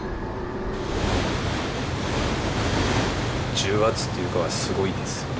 重圧というかはすごいですよね。